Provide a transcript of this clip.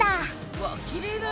わっきれいだね！